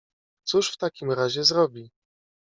"Cóż w takim razie zrobi?"